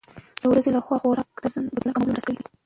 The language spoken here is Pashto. د ورځې لخوا خوراک د وزن کمولو کې مرسته کوي.